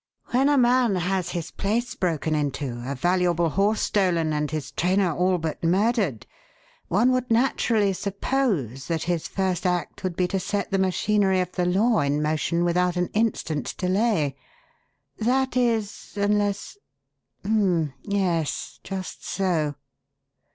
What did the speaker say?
When a man has his place broken into, a valuable horse stolen, and his trainer all but murdered, one would naturally suppose that his first act would be to set the machinery of the law in motion without an instant's delay. That is, unless H'm! Yes! Just so."